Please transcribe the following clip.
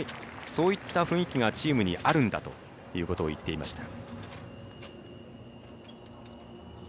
そういった雰囲気がチームにあるんだということを言っていました。